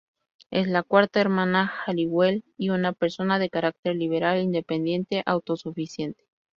Es la cuarta hermana Halliwell y una persona de carácter liberal independiente y autosuficiente.